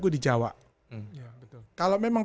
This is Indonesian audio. di jawa kalau memang